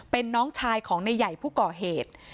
เป็นน้องชายของนายใหญ่ผู้ก่อเหตุ